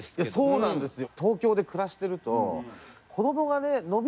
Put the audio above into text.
そうなんですよ。